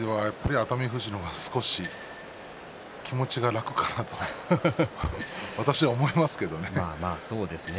熱海富士の方が少し気持ちが楽かなとまあ、そうですね。